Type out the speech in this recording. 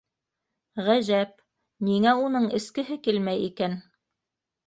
Ғәжәп, ниңә уның эскеһе килмәй икән?